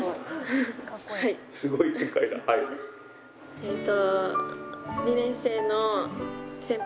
えっと。